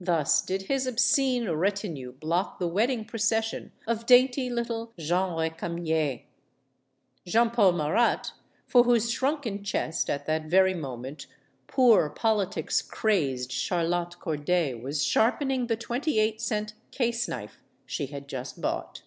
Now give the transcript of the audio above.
Thus did his obscene retinue block the wedding procession of dainty little Jeanne Recamier. Jean Paul Marat for whose shrunken chest, at that very moment, poor, politics crazed Charlotte Corday was sharpening the twenty eight cent case knife she had just bought.